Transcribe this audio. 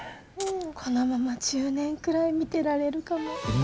このまま１０年くらい見てられるかも。